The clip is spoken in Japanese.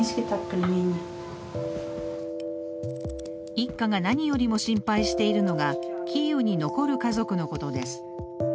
一家が何よりも心配しているのがキーウに残る家族のことです。